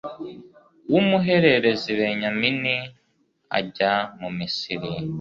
w umuhererezi benyamini ajya mu misiri